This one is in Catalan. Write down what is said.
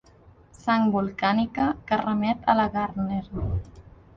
Sang volcànica que remet a la Gardner.